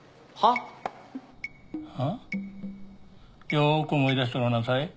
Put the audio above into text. よく思い出してごらんなさい。